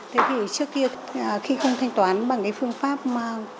thế thì trước kia khi không thanh toán bằng phương pháp quản lý